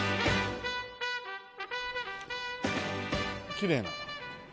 きれいな。